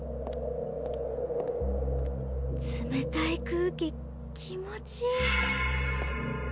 冷たい空気気持ちいい。